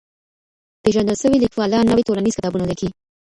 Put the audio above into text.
پېژندل سوي ليکوالان نوي ټولنيز کتابونه ليکي.